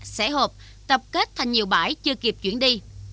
xẻ hộp tập kết thành nhiều bãi chưa kịp chuyển đi